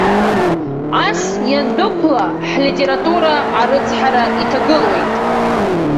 Ас иандәықәла, ҳлитература арыцҳара иҭагылоит.